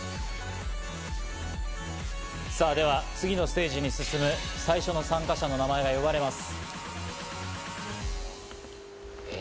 さぁ、では次のステージに進む最初の参加者の名前が呼ばれます。